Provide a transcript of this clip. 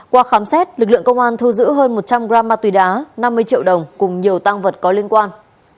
qua khám xét lực lượng công an thu giữ hơn một trăm linh gram ma túy đá năm mươi triệu đồng cùng nhiều tăng vật có liên quan